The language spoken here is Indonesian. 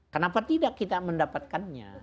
kenapa tidak kita mendapatkannya